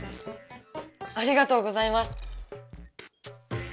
ありがとうございます。